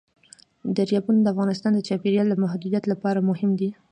دریابونه د افغانستان د چاپیریال د مدیریت لپاره مهم دي.